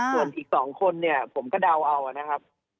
ส่วนอีก๒คนเนี่ยผมก็เดาเอานะครับ